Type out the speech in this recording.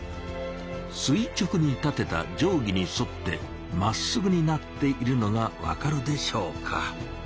すい直に立てたじょうぎにそってまっすぐになっているのがわかるでしょうか。